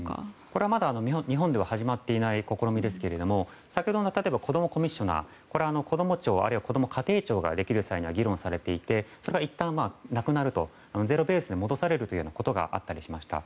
これはまだ日本では始まっていない試みですけれども先ほどの子どもコミッショナーはこれはこども庁、あるいはこども家庭庁ができる際に議論されていてそれがいったんなくなるゼロベースに戻されるということがあったりしました。